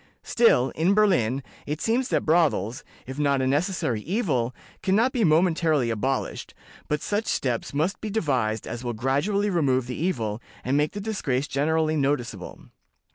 Still, in Berlin, it seems that brothels, if not a necessary evil, can not be momentarily abolished, but such steps must be devised as will gradually remove the evil, and make the disgrace generally noticeable.